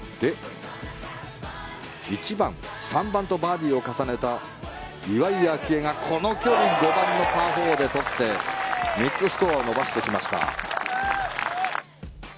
１番、３番とバーディーを重ねた岩井明愛がこの距離５番のパー４で取って３つスコアを伸ばしてきました。